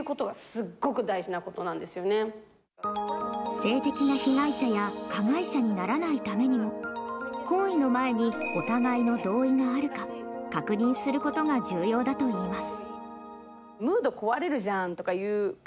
性的な被害者や加害者にならないためにも行為の前にお互いの同意があるか確認することが重要だといいます。